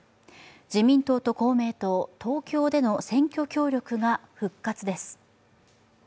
自民党と公明党、東京での選挙協力が復活です。